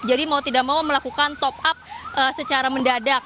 jadi mau tidak mau melakukan top up secara mendadak